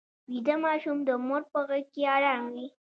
ویده ماشوم د مور په غېږ کې ارام وي